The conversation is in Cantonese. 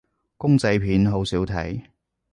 公仔片好少睇